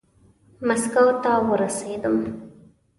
ماسکو ته ورسېدم.